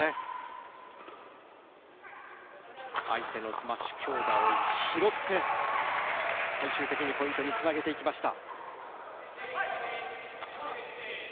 相手のスマッシュ強打を拾って最終的にポイントにつなげていきました。